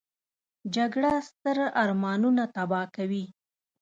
جګړه ستر ارمانونه تباه کوي